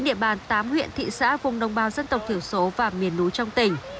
địa bàn tám huyện thị xã vùng đồng bào dân tộc thiểu số và miền núi trong tỉnh